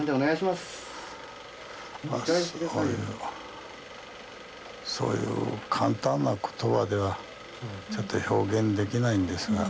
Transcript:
まっそこいらはそういう簡単な言葉ではちょっと表現できないんですが・